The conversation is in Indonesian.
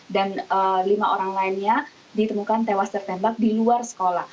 dan lima orang lainnya ditemukan tewas tertembak di luar sekolah